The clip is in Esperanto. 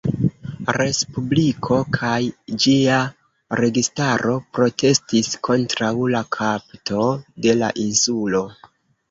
Respubliko kaj ĝia registaro protestis kontraŭ la kapto de la insulo.